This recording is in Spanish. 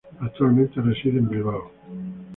Actualmente, reside en Bilbao.